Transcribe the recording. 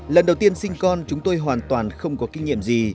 lần đầu tiên sinh con chúng tôi hoàn toàn không có kinh nghiệm gì